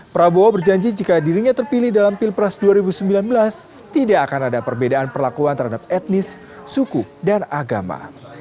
prabowo berjanji jika dirinya terpilih dalam pilpres dua ribu sembilan belas tidak akan ada perbedaan perlakuan terhadap etnis suku dan agama